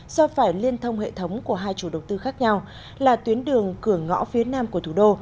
do phải liên thông hệ thống của hai chủ đầu tư khác nhau là tuyến đường cửa ngõ phía nam của thủ đô